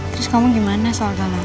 terus kamu gimana soal tanah